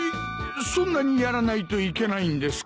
そんなにやらないといけないんですか？